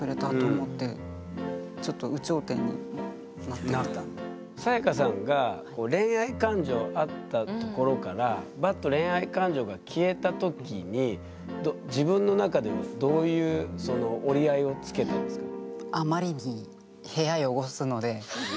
初めてこんなサヤカさんが恋愛感情あったところからバッと恋愛感情が消えた時に自分の中ではどういう折り合いをつけたんですか？